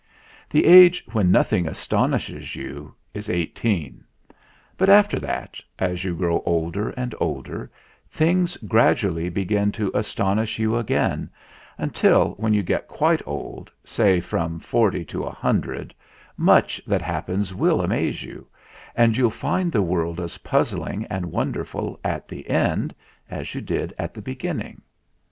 The age when nothing astonishes you is eighteen; but after that, as you grow older and older, things gradually begin to astonish you again, until when you get quite old say from forty to a hundred much that happens will amaze you, and you'll find the world as puzzling and won derful at the end as you did at the beginning.